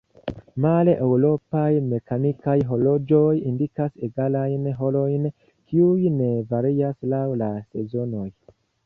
Male, eŭropaj mekanikaj horloĝoj indikas egalajn horojn, kiuj ne varias laŭ la sezonoj.